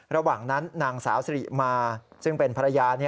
ระหว่างนั้นนางสาวสิริมาซึ่งเป็นภรรยา